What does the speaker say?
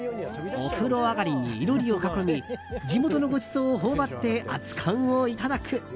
お風呂上がりに囲炉裏を囲み地元のごちそうを頬張って熱燗をいただく。